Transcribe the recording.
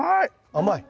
甘い？